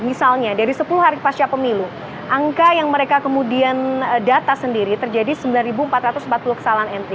misalnya dari sepuluh hari pasca pemilu angka yang mereka kemudian data sendiri terjadi sembilan empat ratus empat puluh kesalahan entry